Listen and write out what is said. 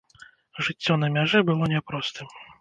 Жыццё на мяжы было не простым.